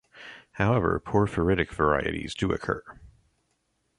However, porphyritic varieties do occur.